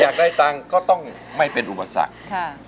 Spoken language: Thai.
อยากได้ตังค์ก็ต้องไม่เป็นอุปสรรค